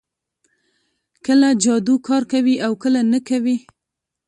کله جادو کار کوي او کله نه کوي